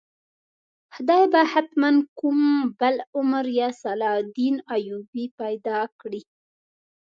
خدای به حتماً کوم بل عمر یا صلاح الدین ایوبي پیدا کړي.